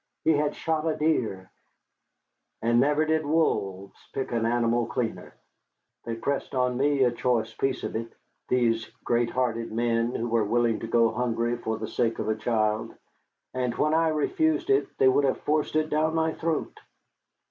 He had shot a deer; and never did wolves pick an animal cleaner. They pressed on me a choice piece of it, these great hearted men who were willing to go hungry for the sake of a child, and when I refused it they would have forced it down my throat.